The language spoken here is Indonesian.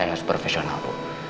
saya harus profesional bu